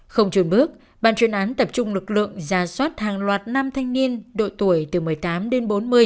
không truyền bước bàn truyền án tập trung lực lượng giả soát hàng loạt nam thanh niên độ tuổi từ một mươi tám đến bốn mươi